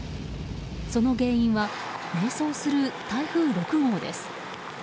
その原因は迷走する台風６号です。